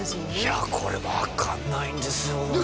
いやこれ分かんないんですよねで